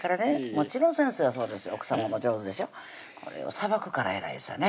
もちろん先生はそうですよ奥さまも上手でしょこれをさばくから偉いですよね